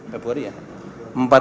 empat februari ya